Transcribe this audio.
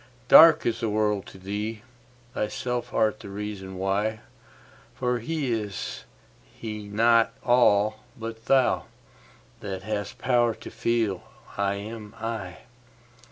Dark is the world to thee: thyself art the reason why; For is He not all but thou, that hast power to feel 'I am I'?